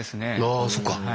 あそっか。